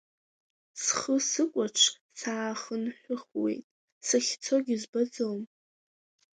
Схы сыкәаҽ саахынҳәыхуеит, сахьцогьы збаӡом.